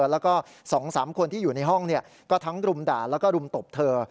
แล้วก็๒๓คนที่อยู่ในห้องก็ทั้งรุมด่าแล้วก็รุมตบเธอ